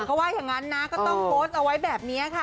เขาว่าอย่างนั้นนะก็ต้องโพสต์เอาไว้แบบนี้ค่ะ